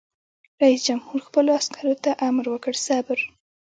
رئیس جمهور خپلو عسکرو ته امر وکړ؛ صبر!